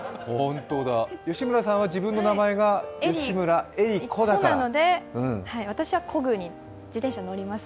吉村さんは、自分の名前が吉村恵里子でエリコなので、私はこぐ、自転車乗ります。